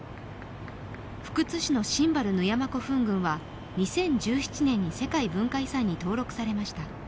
福津市の新原・奴山古墳群は２０１７年の世界文化遺産に登録されました。